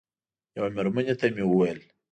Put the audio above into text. یوه مېرمنې ته مې وویل.